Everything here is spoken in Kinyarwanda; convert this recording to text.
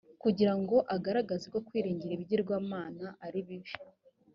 kugira ngo agaragaze ko kwiringira ibigirwamana ari bibi